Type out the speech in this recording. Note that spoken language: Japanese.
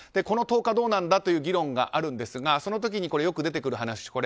この１０日、どうなんだという議論があるんですがその時によく出てくる話。